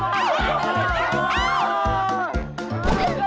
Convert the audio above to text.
ช่วยกับพ่อ